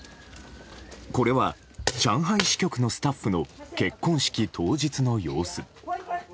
これは上海支局のスタッフの結婚式当日の様子。